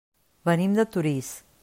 Venim de Torís.